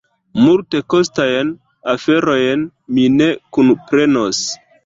Multekostajn aferojn mi ne kunprenos.